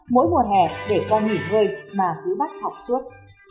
mỗi mùa hè để con nghỉ ngơi mà cứ bắt học suốt